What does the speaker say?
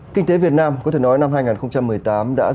kinh tế việt nam có thể nói năm hai nghìn một mươi tám đã